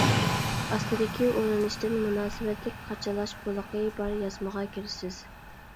ئاستىدىكى ئۇلىنىشتىن مۇناسىۋەتلىك قاچىلاش بولىقى بار يازمىغا كىرىسىز.